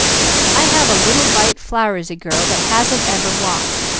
I have a little white flowersy girl that hasn't ever walked.